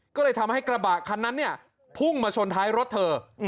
ก็เลยทำให้กระบะคันนั้นเนี่ยพุ่งมาชนท้ายรถเธอ